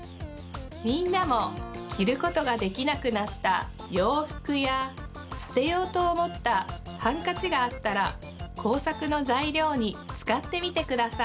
みんなもきることができなくなったようふくやすてようとおもったハンカチがあったらこうさくのざいりょうにつかってみてください。